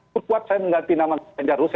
perkuat saya mengganti nama ganjar rusi